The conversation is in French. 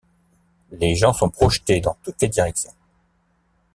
Les gens sont projetés dans toutes les directions.